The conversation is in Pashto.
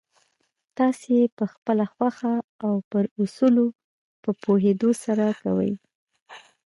تاسې يې پخپله خوښه او پر اصولو په پوهېدو سره کوئ.